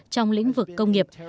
trong lĩnh vực công nghiệp